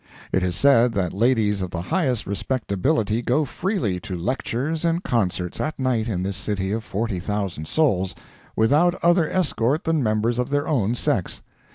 It is said that ladies of the highest respectability go freely to lectures and concerts at night in this city of 40,000 souls, without other escort than members of their own sex.